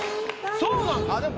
そうなんです。